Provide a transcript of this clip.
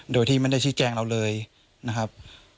โดยที่ไม่ได้ชี้แจงเราเลยนะครับ